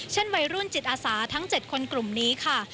วัยรุ่นจิตอาสาทั้ง๗คนกลุ่มนี้ค่ะ